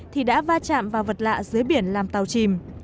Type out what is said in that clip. thì đã va chạm vào vật lạ dưới biển làm tàu chìm